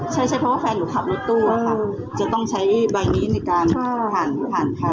ใช่ใช่เพราะว่าแฟนหนูขับรถตู้อะค่ะจะต้องใช้ใบนี้ในการผ่านผ่านทาง